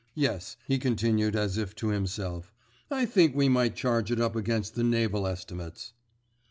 Yes," he continued, as if to himself, "I think we might charge it up against the Naval Estimates.